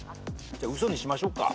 じゃあウソにしましょうか。